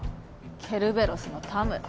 ケルベロスの田村。